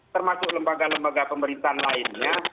termasuk lembaga lembaga pemerintahan lainnya